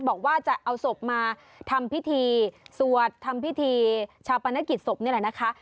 บอกว่าจะเอาศพมาทำพิธีสวดทำพิธีชาปนกิจศพนี่แหละนะคะ